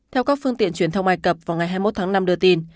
theo các phương tiện truyền thông ai cập vào ngày hai mươi một tháng năm đưa tin